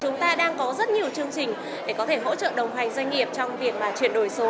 chúng ta đang có rất nhiều chương trình để có thể hỗ trợ đồng hành doanh nghiệp trong việc chuyển đổi số